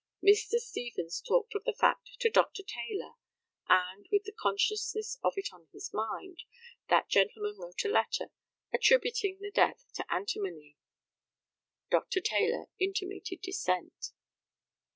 Mr. Stevens talked of the fact to Dr. Taylor; and, with the consciousness of it on his mind, that gentleman wrote a letter, attributing the death to antimony. [Dr. Taylor intimated dissent.